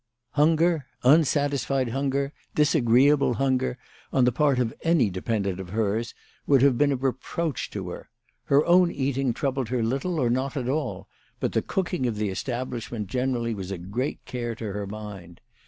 Hunger, unsatisfied WHY FRAU FROHMANN RAISED HER PRICES. 6 hunger, disagreeable hunger, on the part of any de pendent of hers, would have been a reproach to her. Her own eating troubled her little or not at all, but the cooking of the establishment generally was a great care to her mind.